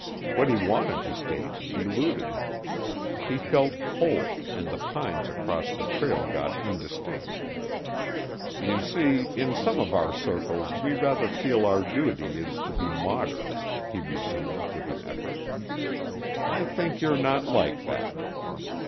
What he wanted to state eluded him. He felt cold and the pines across the trail got indistinct. "You see, in some of our circles we rather feel our duty is to be modern," he resumed with an effort. "I think you're not like that.